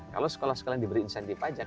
kalau sekolah sekolah yang diberi insentif pajak